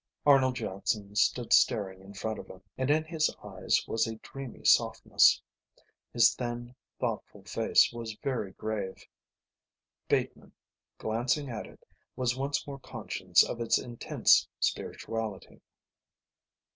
Arnold Jackson stood staring in front of him, and in his eyes was a dreamy softness. His thin, thoughtful face was very grave. Bateman, glancing at it, was once more conscious of its intense spirituality.